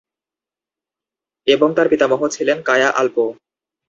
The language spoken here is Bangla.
এবং তার পিতামহ ছিলেন কায়া আল্প।